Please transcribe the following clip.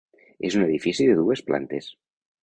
És un edifici de dues plantes.